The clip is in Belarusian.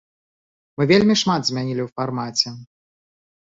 Мы вельмі шмат змянілі ў фармаце.